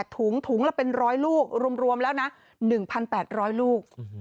ถุงถุงละเป็น๑๐๐ลูกรวมแล้วนะ๑๘๐๐ลูก